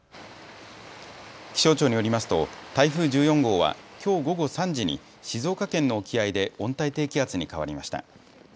気象庁によりますと台風１４号はきょう午後３時に静岡県の沖合で温帯低気圧に変わりました。